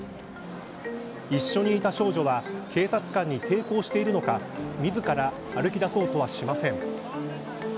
一緒にいた少女は警察官に抵抗しているのか自ら歩き出そうとはしません。